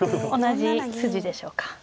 同じ筋でしょうか。